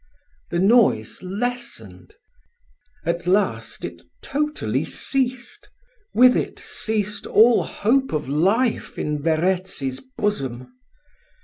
The noise lessened, at last it totally ceased with it ceased all hope of life in Verezzi's bosom.